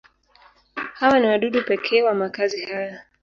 Hawa ni wadudu pekee wa makazi haya.